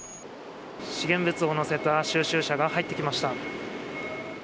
資源物を載せた収集車が入ってきました。